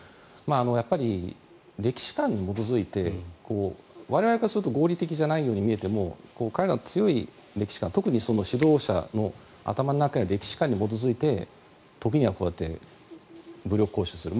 歴史観に基づいて我々からすると合理的じゃないように見えても彼らの強い歴史観主導者の強い歴史観によって時にはこうやって武力行使する。